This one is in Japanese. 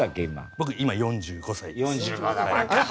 僕今４５歳です。